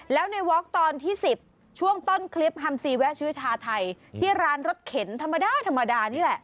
แล้วในวอคตอนที่๑๐ช่วงต้นคลิปฮัมซีแวะชื่อชาไทยที่ร้านรถเข็นธรรมดาธรรมดานี่แหละ